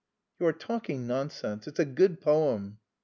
"You are talking nonsense; it's a good poem."